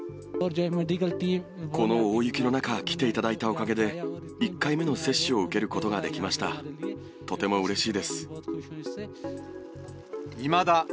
この大雪の中、来ていただいたおかげで、１回目の接種を受けることができました。